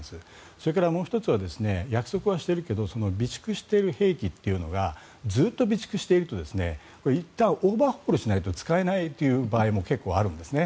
それからもう１つは約束はしてるけど備蓄してる兵器というのがずっと備蓄しているといったんオーバーホールしないと使えないという場合も結構あるんですね。